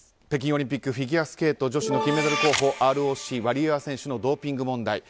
北京オリンピックフィギュアスケート女子の金メダル候補ＲＯＣのワリエワ選手のドーピング問題。